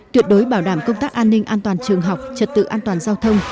tuyệt đối bảo đảm công tác an ninh an toàn trường học trật tự an toàn giao thông